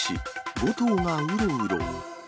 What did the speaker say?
５頭がうろうろ。